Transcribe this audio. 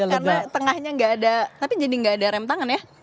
karena tengahnya gak ada tapi jadi gak ada rem tangan ya